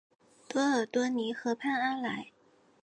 多尔多尼河畔阿莱。